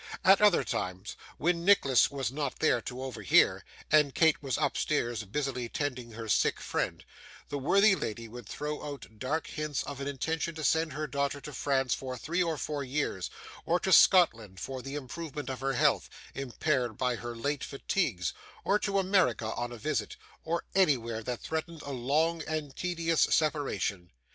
At other times, when Nicholas was not there to overhear, and Kate was upstairs busily tending her sick friend, the worthy lady would throw out dark hints of an intention to send her daughter to France for three or four years, or to Scotland for the improvement of her health impaired by her late fatigues, or to America on a visit, or anywhere that threatened a long and tedious separation.